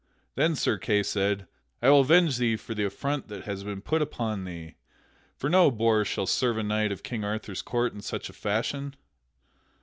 Then Sir Kay said: "I will avenge thee for the affront that hath been put upon thee. For no boor shall serve a knight of King Arthur's court in such a fashion!"